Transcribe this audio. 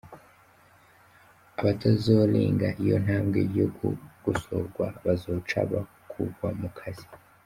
"Abatazorenga iyo ntambwe yo kugosogwa bazoca bakugwa mu kazi.